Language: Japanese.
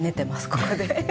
ここで。